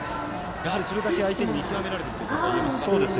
それだけ相手に見極められているということですか。